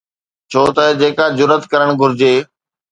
ڇو ته جيڪا جرئت ڪرڻ گهرجي.